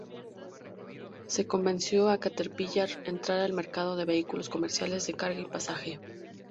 Se convenció a Caterpillar entrar al mercado de vehículos comerciales de carga y pasaje.